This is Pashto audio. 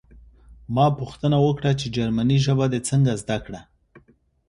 ما پوښتنه وکړه چې جرمني ژبه دې څنګه زده کړه